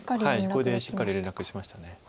これでしっかり連絡しました。